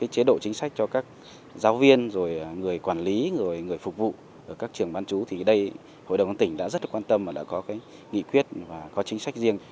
chế độ chính sách cho các giáo viên người quản lý người phục vụ các trường bán trú thì đây hội đồng tỉnh đã rất quan tâm và đã có nghị quyết và có chính sách riêng